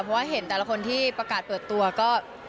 เพราะเห็นคนที่ประกาศเปิดตัวก็